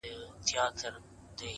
اختر چي تېر سي بیا به راسي!!